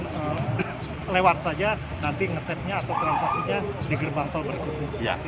dan lewat saja nanti ngetap nya atau transaksinya di gerbang tol berikutnya